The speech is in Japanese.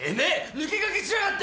抜け駆けしやがって！